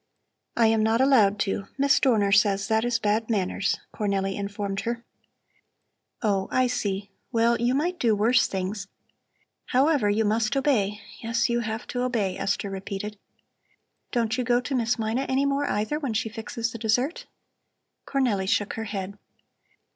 "I am not allowed to; Miss Dorner says that is bad manners," Cornelli informed her. "Oh, I see! Well, you might do worse things. However, you must obey! Yes, you have to obey," Esther repeated. "Don't you go to Miss Mina any more, either, when she fixes the dessert?" Cornelli shook her head.